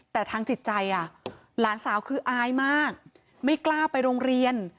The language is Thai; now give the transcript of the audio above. แต่ทางจิตใจหลานสาวคืออายมากไม่กล้าไปโรงเรียน